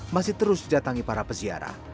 masih terus dijatangi para pesiaran